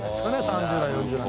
３０代４０代。